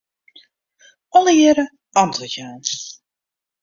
Allegearre antwurd jaan.